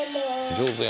上手やね